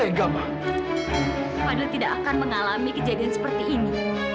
padahal tidak akan mengalami kejadian seperti ini